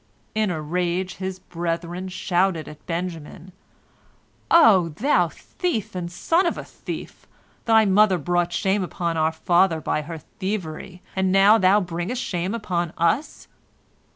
In a rage, his brethren shouted at Benjamin, "O thou thief and son of a thief! Thy mother brought shame upon our father by her thievery, and now thou bringest shame upon us."